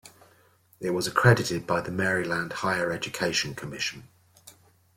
It was accredited by the Maryland Higher Education Commission.